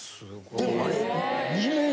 でもあれ。